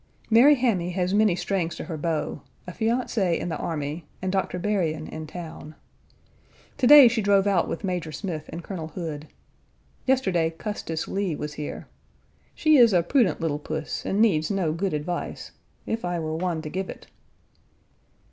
Mary Hammy has many strings to her bow a fiancé in the army, and Doctor Berrien in town. To day she drove out with Major Smith and Colonel Hood. Yesterday, Custis Lee was here. She is a prudent little puss and needs no good advice, if I were one to give it.